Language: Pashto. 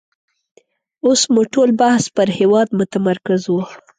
اوس مو ټول بحث پر هېواد متمرکز وو.